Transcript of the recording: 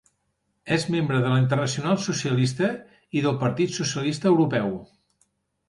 És membre de la Internacional Socialista, i del Partit Socialista Europeu.